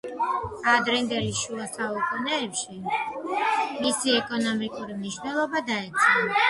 ადრინდელი შუა საუკუნეებში მისი ეკონომიკური მნიშვნელობა დაეცა.